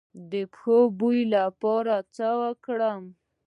د پښو د بوی لپاره باید څه وکړم؟